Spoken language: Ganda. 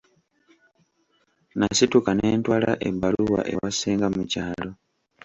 Nasituka ne ntwala ebbaluwa ewa ssenga mu kyalo.